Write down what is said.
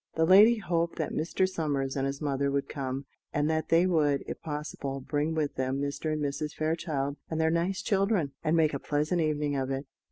The lady hoped that Mr. Somers and his mother would come, and that they would, if possible, bring with them Mr. and Mrs. Fairchild and their nice children, and make a pleasant evening of it.